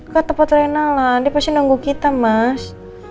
ke tempat lain dia pasti nunggu kita mas